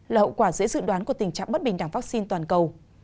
là hậu quả dễ dự đoán của tình trạng bất bình đẳng vaccine toàn cầu